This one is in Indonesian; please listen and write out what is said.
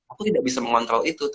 aku tidak bisa mengontrol itu